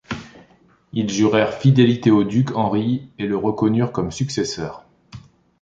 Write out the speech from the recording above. Ils jurèrent fidélité au duc Henri, et le reconnurent comme successeur.